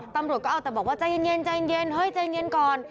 ตำรวจก็เอาแต่บอกว่าใจเย็นใจเย็นเฮ้ยใจเย็นก่อน